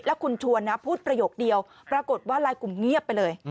คุณชวนนะพูดประโยคเดียวปรากฏว่าลายกลุ่มเงียบไปเลย